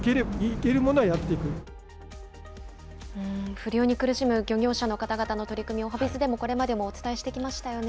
不漁に苦しむ漁業者の方々の取り組み、おはＢｉｚでもこれまでお伝えしてきましたよね。